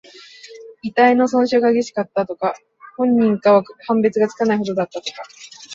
遺体の損傷が激しかった、とか。本人か判別がつかないほどだった、とか。